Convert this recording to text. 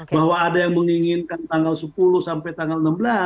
bahwa ada yang menginginkan tanggal sepuluh sampai tanggal enam belas